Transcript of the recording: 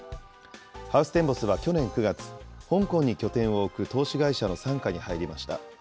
ハウステンボスは去年９月、香港に拠点を置く投資会社の傘下に入りました。